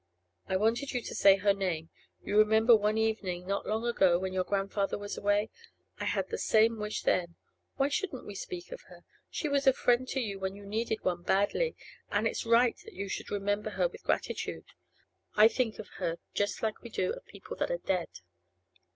'I wanted you to say her name. You remember one evening not long ago, when your grandfather was away? I had the same wish then. Why shouldn't we speak of her? She was a friend to you when you needed one badly, and it's right that you should remember her with gratitude. I think of her just like we do of people that are dead.